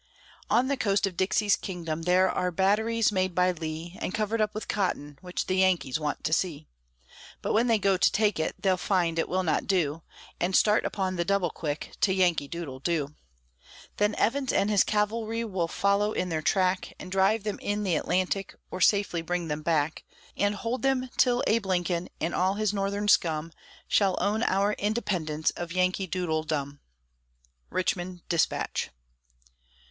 On the coast of Dixie's kingdom there are batteries made by Lee, And covered up with cotton, which the Yankees want to see; But when they go to take it, they'll find it will not do, And start upon the "double quick" to "Yankee doodle doo." Then Evans and his cavalry will follow in their track, And drive them in the Atlantic, or safely bring them back, And hold them till Abe Lincoln and all his Northern scum Shall own our independence of "Yankee Doodledom." Richmond Dispatch.